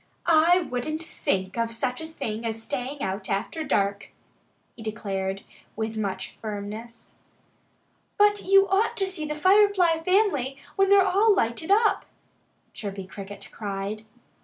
"I wouldn't think of such a thing as staying out after dark!" he declared with much firmness. "But you ought to see the Firefly family when they're all lighted up!" Chirpy Cricket cried.